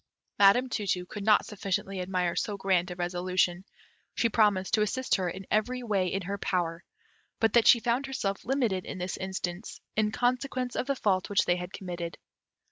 Madam Tu tu could not sufficiently admire so grand a resolution; she promised to assist her in every way in her power; but that she found herself limited in this instance, in consequence of the fault which they had committed.